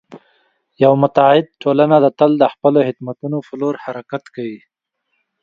یوه متعهد ټولنه تل د خپلو هدفونو په لور حرکت کوي.